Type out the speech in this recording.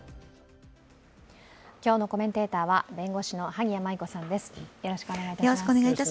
今日のコメンテーターは弁護士の萩谷麻衣子さんです。